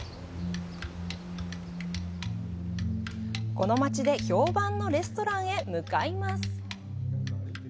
この街で評判のレストランへ向かいます。